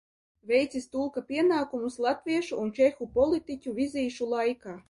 Veicis tulka pienākumus latviešu un čehu politiķu vizīšu laikā.